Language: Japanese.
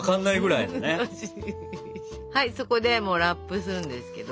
はいそこでラップするんですけど。